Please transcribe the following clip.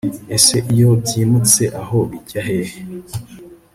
ese iyo byimutse aho bijya hehe